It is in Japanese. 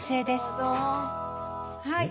はい。